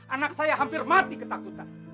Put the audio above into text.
anak saya hampir mati ketakutan